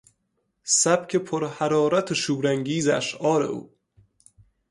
سبک پرحرارت و شورانگیز اشعار او